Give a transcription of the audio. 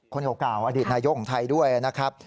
คนเก่าอดีตนายกของไทยด้วยนะครับ